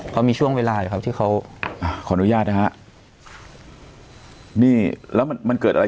เขามีช่วงเวลาอยู่ครับที่เขาอ่ะขออนุญาตนะฮะนี่แล้วมันมันเกิดอะไร